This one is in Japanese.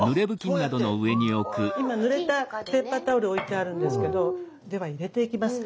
今ぬれたペーパータオル置いてあるんですけどでは入れていきます。